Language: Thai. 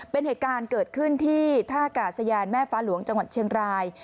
เป็นเหตุการณ์เกิดขึ้นที่ท่ากาศยานแม่ฟ้าหลวงจังหวัดเชียงราย